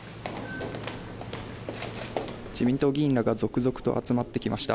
自民党議員らが続々と集まってきました。